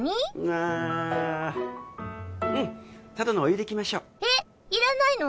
あうんただのお湯でいきましょうえっいらないの？